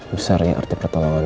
besarnya arti pertolongan